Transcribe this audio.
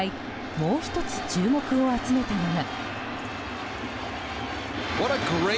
もう１つ注目を集めたのが。